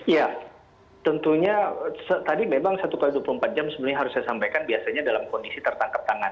ya tentunya tadi memang satu x dua puluh empat jam sebenarnya harus saya sampaikan biasanya dalam kondisi tertangkap tangan